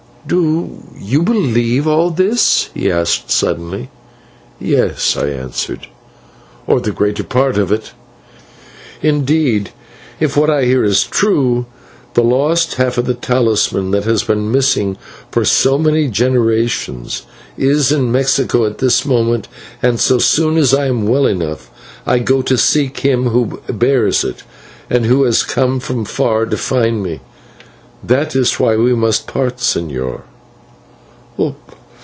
"Do you believe all this?" he asked, suddenly. "Yes," I answered, "or the greater part of it. Indeed, if what I hear is true, the lost half of the talisman that has been missing for so many generations is in Mexico at this moment, and, so soon as I am well enough, I go to seek him who bears it, and who has come from far to find me. That is why we must part, señor."